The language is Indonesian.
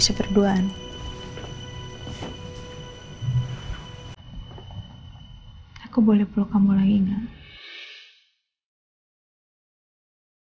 abertaukan walid kepada om ali ifsinui yang mendorong semacam terasa gedung alam j circles